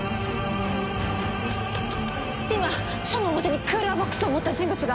今署の表にクーラーボックスを持った人物が。